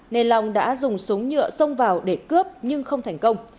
nên long đã dùng súng nhựa xông vào để cướp nhưng không thành công